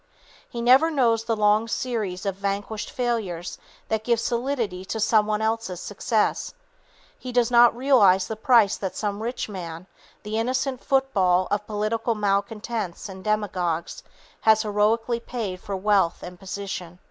He never knows the long series of vanquished failures that give solidity to some one else's success; he does not realize the price that some rich man, the innocent football of political malcontents and demagogues, has heroicly paid for wealth and position.